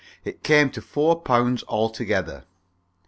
It came to four pounds altogether.